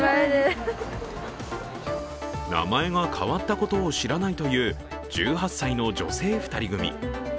名前が変わったことを知らないという１８歳の女性２人組。